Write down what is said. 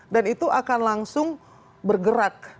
dan itu akan langsung bergerak